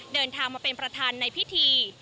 เดินทางมาเป็นประธานในพิธี